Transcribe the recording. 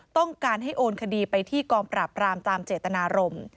ต้องการให้โอนคดีไปที่กองปราบรามตามเจตนารมณ์